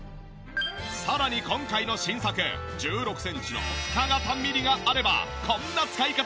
さらに今回の新作１６センチの深型ミニがあればこんな使い方も。